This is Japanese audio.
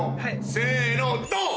せのドン。